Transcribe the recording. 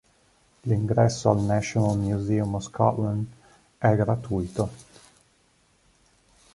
L'ingresso al "National Museum of Scotland" è gratuito.